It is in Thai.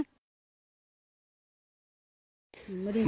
จุดดี